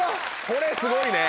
これすごいね。